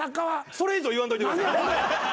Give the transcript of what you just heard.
それ以上言わんといてください。